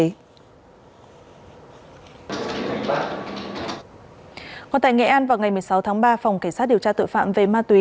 còn tại nghệ an vào ngày một mươi sáu tháng ba phòng cảnh sát điều tra tội phạm về ma túy